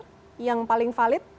atau hasil terakhir yang paling valid